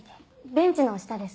ベンチの下です。